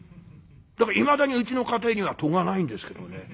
だからいまだにうちの家庭には戸がないんですけどね。